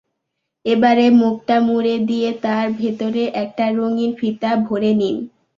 এবারে মুখটা মুড়ে দিয়ে তার ভেতরে একটা রঙিন ফিতা ভরে নিন।